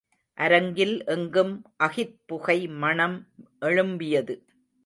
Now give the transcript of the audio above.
அரங்கில் எங்கும் அகிற்புகை மணம் எழும்பியது.